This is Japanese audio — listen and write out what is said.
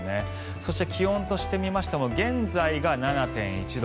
そして、気温としてみましても現在が７．１度。